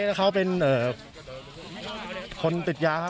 แล้วเขาเป็นคนติดยาครับ